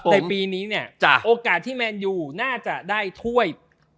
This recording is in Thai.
ในปีนี้เนี่ยโอกาสที่แมนยูน่าจะได้ถ้วย